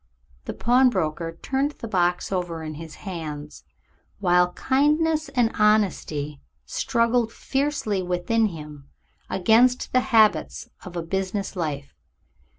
The pawnbroker turned the box over in his hands, while kindness and honesty struggled fiercely within him against the habits of a business life.